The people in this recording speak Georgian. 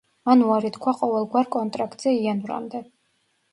მან უარი თქვა ყოველგვარ კონტრაქტზე იანვრამდე.